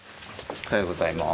おはようございます。